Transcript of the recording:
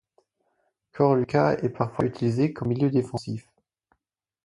Ćorluka est parfois utilisé comme milieu défensif.